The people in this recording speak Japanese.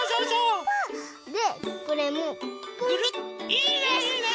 いいねいいね！